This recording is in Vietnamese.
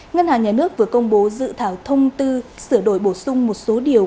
ngân hàng nhà nước vừa công bố dự thảo thông tư sửa đổi bổ sung một số điều